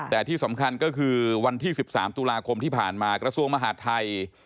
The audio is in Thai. แต่ที่สำคัญก็คือวันที่๑๓ตุลาคมที่ผ่านมากระทรวงมหาดไทย